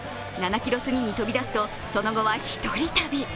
７ｋｍ過ぎに飛び出すとその後は一人旅。